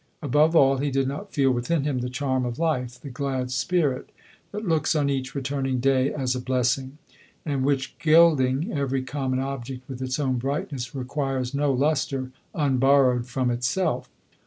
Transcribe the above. Above all, he did not feel within him the charm of life, the glad spirit that looks on each returning day as a blessing; and which, gilding every common 96 LODORE. object with its own brightness, requires no lustre unborrowed from itself.